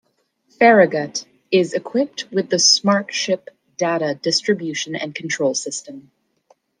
"Farragut" is equipped with the "Smart Ship" data distribution and control system.